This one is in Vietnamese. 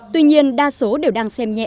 tuy nhiên đa số đều đang xem nhẹ